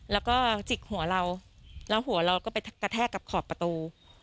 แล้วก็จิกหัวเราแล้วหัวเราก็ไปกระแทกกับขอบประตู